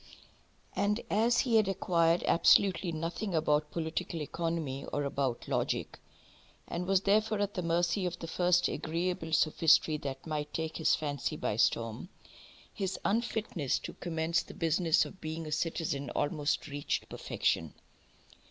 And as he had acquired absolutely nothing about political economy or about logic, and was therefore at the mercy of the first agreeable sophistry that might take his fancy by storm, his unfitness to commence the business of being a citizen almost reached perfection.